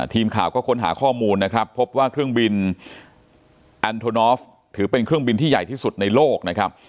ทีมข่าวก็ค้นหาข้อมูลนะครับพบว่าเครื่องบินแอนโทนอฟถือเป็นเครื่องบินที่ใหญ่ที่สุดในโลกนะครับ